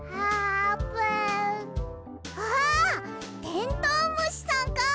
テントウムシさんか！